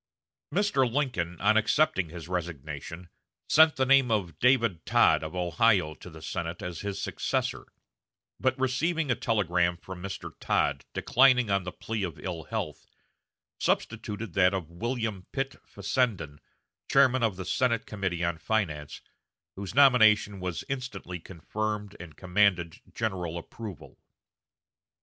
Mr. Lincoln, on accepting his resignation, sent the name of David Tod of Ohio to the Senate as his successor; but, receiving a telegram from Mr. Tod declining on the plea of ill health, substituted that of William Pitt Fessenden, chairman of the Senate Committee on Finance, whose nomination was instantly confirmed and commanded general approval.